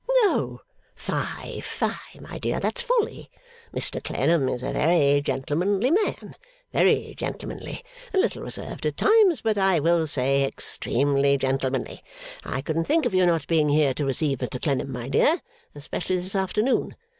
'Oh, fie, fie, my dear, that's folly. Mr Clennam is a very gentlemanly man very gentlemanly. A little reserved at times; but I will say extremely gentlemanly. I couldn't think of your not being here to receive Mr Clennam, my dear, especially this afternoon.